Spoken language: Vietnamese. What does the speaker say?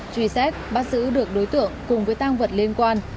truy xét bắt giữ được đối tượng cùng với tăng vật liên quan